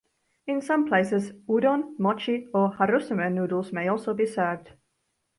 In some places, "udon", "mochi" or "harusame" noodles may also be served.